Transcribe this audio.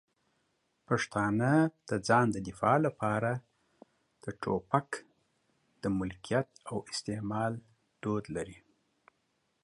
پښتانه د ځان د دفاع لپاره د ټوپک د ملکیت او استعمال دود لري.